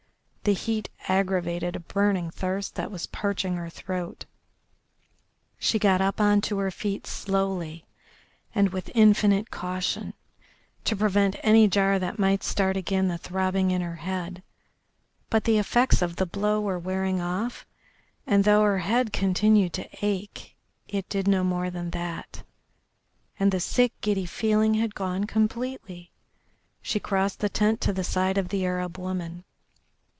The heat aggravated a burning thirst that was parching her throat. She got up on to her feet slowly, and with infinite caution, to prevent any jar that might start again the throbbing in her head; but the effects of the blow were wearing off, and, though her head continued to ache, it did no more than that, and the sick, giddy feeling had gone completely. She crossed the tent to the side of the Arab woman.